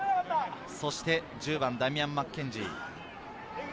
そして１０番のダミアン・マッケンジー。